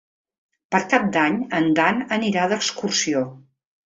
Per Cap d'Any en Dan anirà d'excursió.